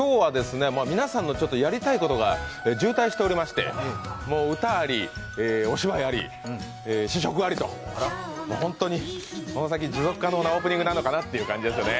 皆さんのやりたいことが渋滞しておりまして歌あり、お芝居あり、試食ありと本当にこの先、持続可能なオープニングなのかなって感じですよね。